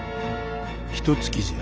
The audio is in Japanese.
ひとつきじゃ。